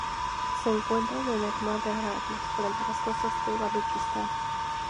Se encuentra en el mar de Arabia: frente a las costas de Baluchistán.